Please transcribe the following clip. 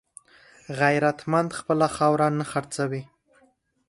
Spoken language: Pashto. غیرتمند خپله خاوره نه خرڅوي